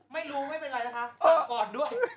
ไม่รู้ไม่เป็นไรนะคะกลับก่อนด้วย